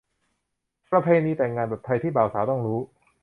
ประเพณีแต่งงานแบบไทยที่บ่าวสาวต้องรู้